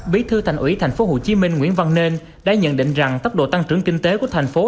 bí thư thành ủy tp hcm nguyễn văn nên đã nhận định rằng tốc độ tăng trưởng kinh tế của thành phố